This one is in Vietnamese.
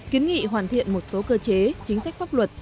kiến nghị hoàn thiện một số cơ chế chính sách pháp luật